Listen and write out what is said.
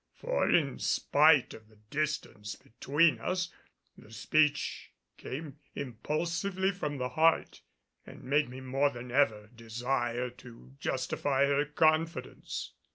For in spite of the distance between us, the speech came impulsively from the heart and made me more than ever desire to justify her confidence.